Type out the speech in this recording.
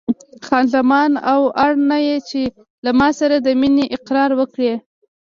خان زمان: او اړ نه یې چې له ما سره د مینې اقرار وکړې.